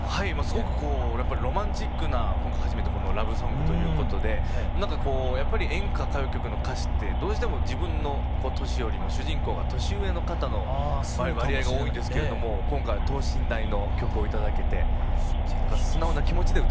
すごくこうロマンチックな今回初めてこのラブソングということでなんかこうやっぱり演歌歌謡曲の歌詞ってどうしても自分の年よりも主人公が年上の方の割合が多いんですけれども今回等身大の曲を頂けて素直な気持ちで歌えますね。